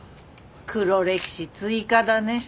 黒歴史追加だね。